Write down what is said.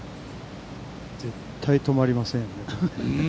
絶対止まりません。